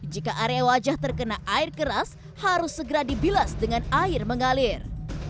jika area wajah terkena air keras harus segera dibilas dengan air mengalir